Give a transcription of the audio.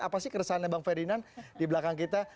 apa sih keresahannya bang ferdinand di belakang kita